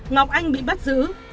ngọc anh bị bắt giữ